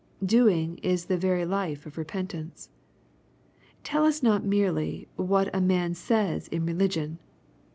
Doing is the very life of repentance. Tell us not merely what a man says in religion.